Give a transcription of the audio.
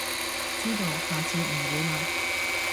知道，下次唔會喇